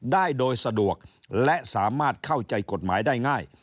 ได้โดยสะดวกและสามารถเข้าใจกฎหมายได้ง่าย